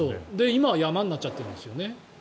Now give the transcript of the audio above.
今は山になっちゃってるんですよね。